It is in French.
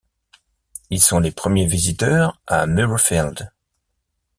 Ils sont les premiers visiteurs à Murrayfield.